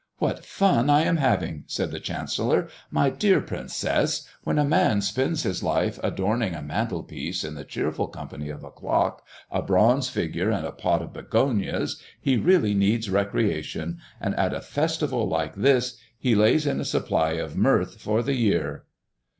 "What fun I am having!" said the chancellor. "My dear princess, when a man spends his life adorning a mantel piece in the cheerful company of a clock, a bronze figure, and a pot of begonias, he really needs recreation; and at a festival like this he lays in a supply of mirth for the year."